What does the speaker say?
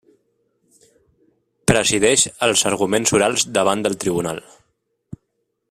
Presideix els arguments orals davant del tribunal.